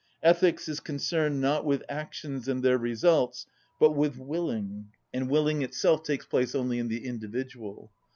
Ethics is concerned not with actions and their results, but with willing, and willing itself takes place only in the individual.